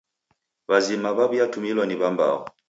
W'azima w'aw'iatumilwa ni w'ambao.